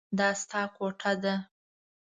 دا ستا کوټه ده.